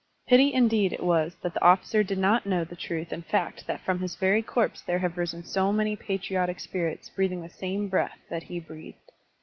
Pity indeed it was that the officer did not know the truth and fact that from his very corpse there have risen so many patriotic spirits breathing the same breath that he breathed.